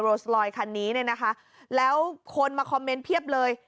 สลอยคันนี้เนี่ยนะคะแล้วคนมาคอมเมนต์เพียบเลย